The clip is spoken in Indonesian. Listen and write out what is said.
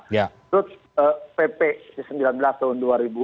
lalu pp di sembilan belas tahun seribu sembilan ratus delapan puluh